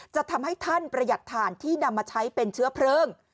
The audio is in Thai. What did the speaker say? จะทำให้ท่านประหยัดฐานที่นำมาใช้เป็นเชื้อเพลิง